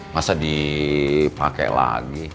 masa dipake lagi